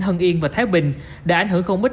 hưng yên và thái bình đã ảnh hưởng không ít